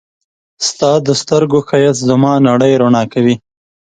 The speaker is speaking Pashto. ستا د سترګو ښایست زما نړۍ رڼا کوي.